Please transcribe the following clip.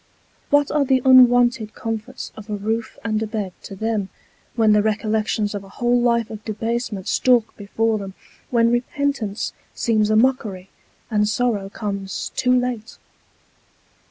What are the unwonted comforts of a roof and a bed, to them, when the recollections of a whole life of debasement stalk before them ; when repentance seems a mockery, and sorrow comes too late